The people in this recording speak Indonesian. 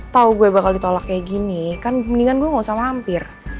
tau gue bakal ditolak kayak gini kan mendingan gue gak usah mampir